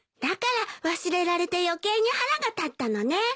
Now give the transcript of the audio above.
だから忘れられて余計に腹が立ったのね。